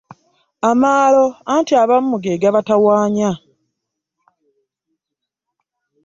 Amaalo anti abamu ge gabatawaanya.